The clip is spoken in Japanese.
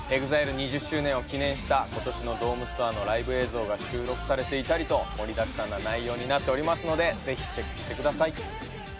２０周年を記念した今年のドームツアーのライブ映像が収録されていたりと盛りだくさんな内容になっておりますのでぜひチェックしてください。